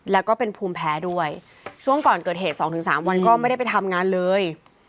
แล้วก็เป็นภูมิแพ้ด้วยช่วงก่อนเกิดเหตุสองถึงสามวันก็ไม่ได้ไปทำงานเลย